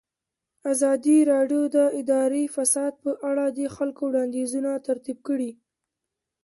ازادي راډیو د اداري فساد په اړه د خلکو وړاندیزونه ترتیب کړي.